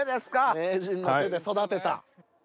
名人の手で育てた。